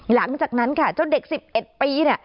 หลังจากนั้นค่ะเจ้าเด็ก๑๑ปีเนี่ย